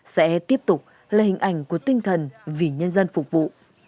sẽ tiếp tục là hình ảnh của tinh thần vì nhân dân phục vụ